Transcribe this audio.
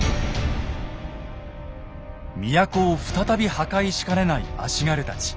都を再び破壊しかねない足軽たち。